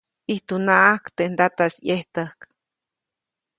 ʼIjtunaʼajk teʼ ndataʼis ʼyejtäjk.